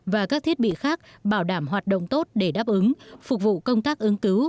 và các thiết bị khác bảo đảm hoạt động tốt để đáp ứng phục vụ công tác ứng cứu